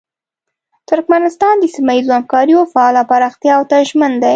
ترکمنستان د سیمه ییزو همکاریو فعاله پراختیاوو ته ژمن دی.